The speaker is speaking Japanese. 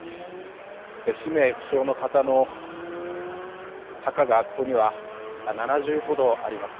氏名不詳の方の墓がここには７０ほどあります。